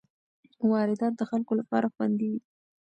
واردات د خلکو لپاره خوندي وي.